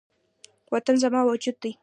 وطن زما وجود دی